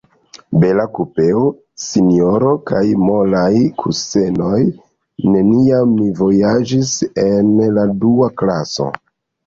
Bela kupeo, sinjoro, kaj molaj kusenoj; neniam mi vojaĝis en la dua klaso.